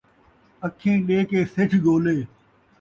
اَکھیں ݙے کے سجھ ڳولے